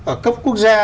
ở cấp quốc gia